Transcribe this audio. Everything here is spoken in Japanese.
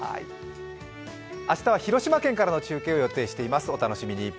明日は広島県からの中継を予定しています、お楽しみに。